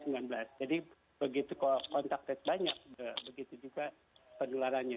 jadi begitu kontak rate banyak begitu juga pendularannya